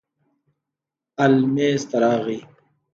ال میز ته راغی.